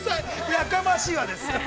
やかましいわです。